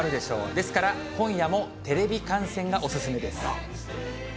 ですから、今夜もテレビ観戦がお勧めです。